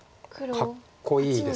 かっこいいです。